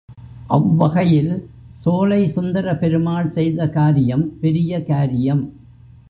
அவ்வகையில் சோலை சுந்தரபெருமாள் செய்த காரியம் பெரிய காரியம்.